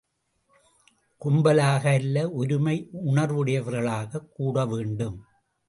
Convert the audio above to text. கும்பலாக அல்ல ஒருமை உணர்வுடையவர்களாகக் கூட வேண்டும்.